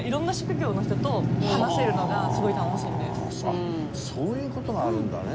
あっそういう事があるんだね。